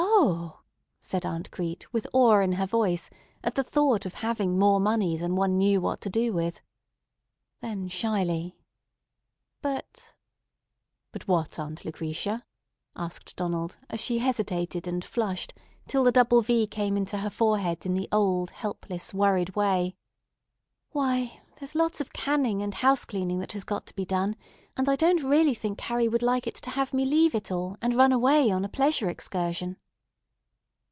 said Aunt Crete with awe in her voice at the thought of having more money than one knew what to do with. Then shyly, "But——" "But what, Aunt Lucretia?" asked Donald as she hesitated and flushed till the double V came into her forehead in the old helpless, worried way. "Why, there's lots of canning and house cleaning that has got to be done, and I don't really think Carrie would like it to have me leave it all, and run away on a pleasure excursion."